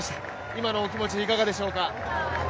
今のお気持ち、いかがでしょうか。